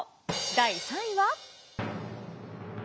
第３位は。